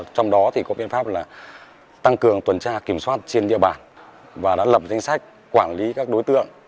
trong đó thì có biện pháp là tăng cường tuần tra kiểm soát trên địa bàn và đã lập danh sách quản lý các đối tượng